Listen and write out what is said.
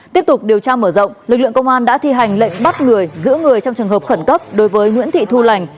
tiếp tục điều tra mở rộng lực lượng công an đã thi hành lệnh bắt người giữ người trong trường hợp khẩn cấp đối với nguyễn thị thu lành